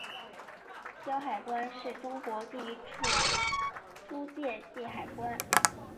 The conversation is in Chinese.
胶海关是中国第一处租借地海关。